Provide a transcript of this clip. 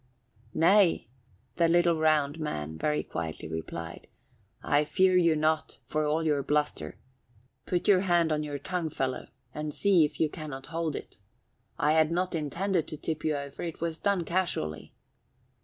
"Nay," the little round man very quietly replied, "I fear you not, for all your bluster. Put your hand on your tongue, fellow, and see if you cannot hold it. I had not intended to tip you over. It was done casually."